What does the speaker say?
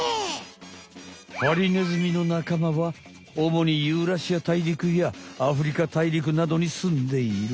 ハリネズミの仲間はおもにユーラシアたいりくやアフリカたいりくなどにすんでいる。